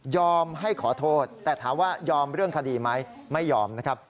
ให้ขอโทษแต่ถามว่ายอมเรื่องคดีไหมไม่ยอมนะครับ